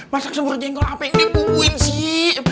masak sebuah jengkol apa yang dibubuhin sih